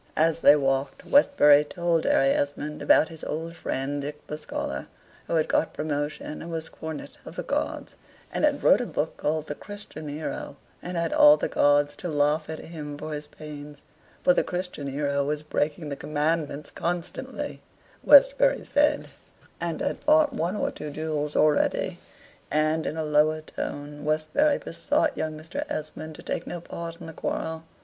As they walked, Westbury told Harry Esmond about his old friend Dick the Scholar, who had got promotion, and was Cornet of the Guards, and had wrote a book called the "Christian Hero," and had all the Guards to laugh at him for his pains, for the Christian Hero was breaking the commandments constantly, Westbury said, and had fought one or two duels already. And, in a lower tone, Westbury besought young Mr. Esmond to take no part in the quarrel.